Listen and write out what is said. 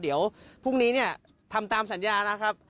เดี๋ยวพรุ่งนี้เนี่ยทำตามสัญญานะครับ